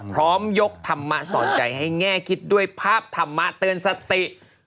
พร้อมยกธรรมะสอนใจให้แง่คิดด้วยภาพธรรมะเตือนสติ